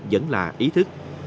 vẫn là ý thức